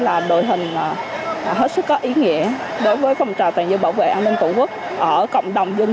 là một hình hết sức có ý nghĩa đối với phòng trà tuần tra bảo vệ an ninh tổ quốc ở cộng đồng dân